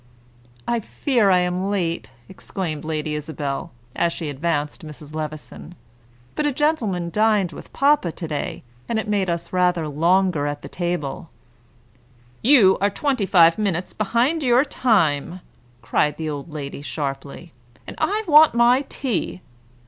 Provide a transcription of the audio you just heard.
"I fear I am late," exclaimed Lady Isabel, as she advanced to Mrs. Levison; "but a gentleman dined with papa to day, and it made us rather longer at table." "You are twenty five minutes behind your time," cried the old lady sharply, "and I want my tea.